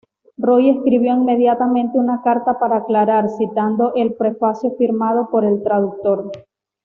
Roy escribió inmediatamente una carta para aclarar, citando el prefacio firmado por el traductor.